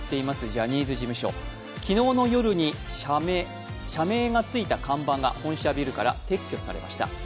ジャニーズ事務所、昨日の夜に社名がついた看板が本社ビルから撤去されました。